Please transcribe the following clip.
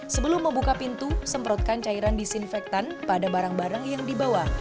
sebelum membuka pintu semprotkan cairan disinfektan pada barang barang yang dibawa